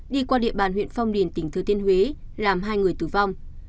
đi qua địa bàn huyện phong điền tỉnh thừa thiên huế làm hai người tử vong